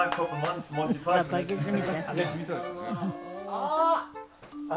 ああ！